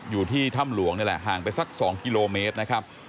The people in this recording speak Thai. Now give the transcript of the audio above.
อยู่ที่ถ้ำหลวงนี่แหละห่างไปสัก๒กิโลเมตรนะครับ